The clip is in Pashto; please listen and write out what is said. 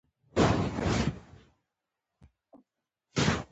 دا څه شی دی؟